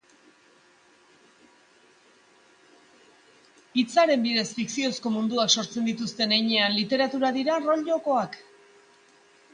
Hitzaren bidez fikziozko munduak sortzen dituzten heinean, literatura dira rol jokoak?